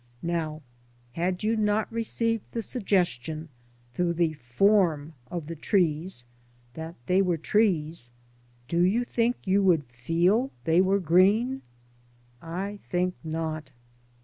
Now, had you not received the suggestion through the form of the trees that they were trees, do you think you would feel they were green? I think not.